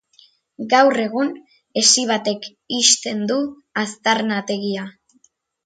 Gaur egun, hesi batek ixten du aztarnategia.